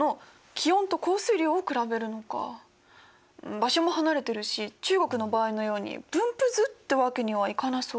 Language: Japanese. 場所も離れているし中国の場合のように分布図ってわけにはいかなそう。